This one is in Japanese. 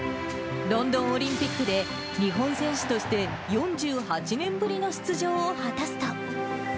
ロンドンオリンピックで、日本選手として４８年ぶりの出場を果たすと。